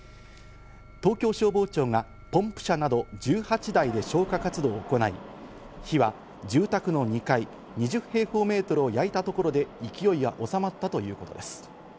東京消防庁がポンプ車など１８台で消火活動を行い、火は住宅の２階、２０平方メートルを焼いたところで勢いは収まったということです。